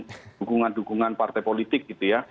dukungan dukungan partai politik gitu ya